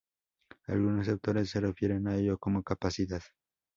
Algunos autores se refieren a ello como capacidad.